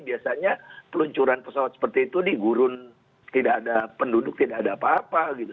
biasanya peluncuran pesawat seperti itu di gurun tidak ada penduduk tidak ada apa apa gitu